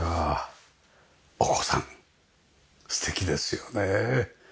お子さん素敵ですよねえ。